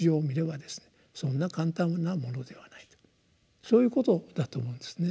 そんな簡単なものではないとそういうことだと思うんですね。